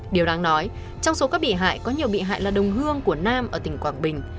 điều đáng nói trong số các bị hại có nhiều bị hại là đồng hương của nam ở tỉnh quảng bình